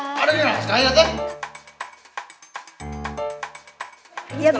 ada di naskah ya ate